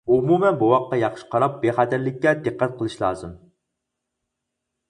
ئومۇمەن بوۋاققا ياخشى قاراپ بىخەتەرلىكىگە دىققەت قىلىش لازىم.